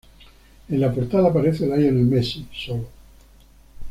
En la portada aparece Lionel Messi, solo.